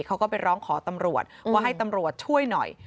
เขาก็ไปร้องขอตำรวจว่าให้ตำรวจช่วยหน่อย